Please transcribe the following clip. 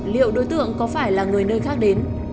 liệu đối tượng có phải là người nơi khác đến